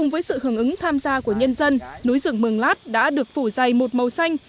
với sự hưởng ứng tham gia của nhân dân núi rừng mường lát đã được phủ dày một màu xanh